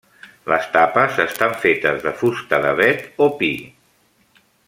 Les tapes estan fetes de fusta d'avet o pi.